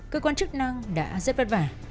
cơ quan chức năng đã rất vất vả